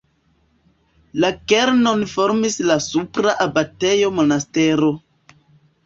La kernon formis la supra abatejo Monastero.